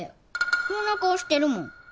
こーんな顔してるもん。